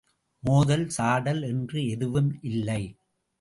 மோதல் சாடல் என்று எதுவும் இல்லை.